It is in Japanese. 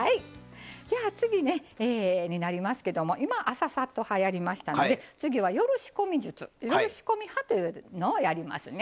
次になりますけど今、朝サッと派やりましたけど次は夜仕込み術夜仕込み派というのをやりますね。